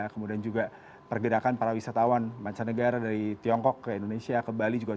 kemudian juga pergerakan para wisatawan macanegara dari tiongkok indonesia ke bali crédit